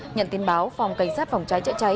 nhận tin báo phòng cảnh sát phòng cháy chữa cháy